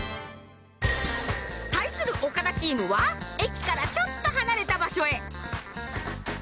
対するおかだチームは駅からちょっと離れた場所へ。